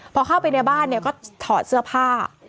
พอเข้าไปในบ้านเนี่ยก็ถอดเสื้อผ้า